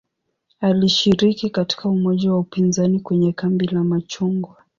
Alishiriki katika umoja wa upinzani kwenye "kambi la machungwa".